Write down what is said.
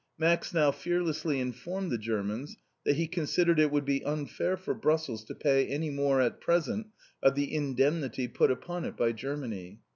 Max now fearlessly informed the Germans that he considered it would be unfair for Brussels to pay any more at present of the indemnity put upon it by Germany.